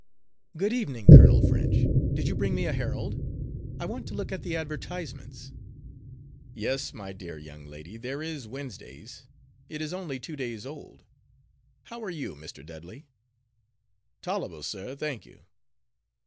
Good evening, Colonel French! Did you bring me a Herald? I want to look at the advertisements." "Yes, my dear young lady, there is Wednesday's it is only two days old. How are you, Mr. Dudley?" "Tol'able, sir, thank you."